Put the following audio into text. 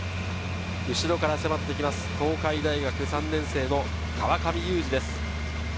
後ろから迫ってきます、東海大学３年生の川上勇士です。